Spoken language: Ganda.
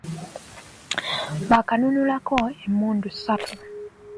Baakanunulako emmundu ssatu.